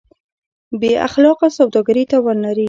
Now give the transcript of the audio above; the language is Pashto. بېاخلاقه سوداګري تاوان لري.